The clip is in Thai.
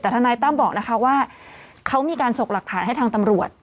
แต่ทนายตั้มบอกนะคะว่าเขามีการส่งหลักฐานให้ทางตำรวจ